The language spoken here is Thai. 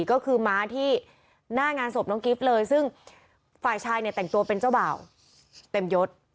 ก็คือม้าที่หน้างานศพน้องกิฟต์เลยซึ่งฝ่ายชายเนี่ยแต่งตัวเป็นเจ้าบ่าวเต็มยศ